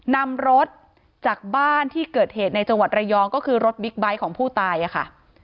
นำรถจากบ้านที่เกิดเหตุในจังหวัดระยองก็คือรถบิ๊กไบท์ของผู้ตายค่ะ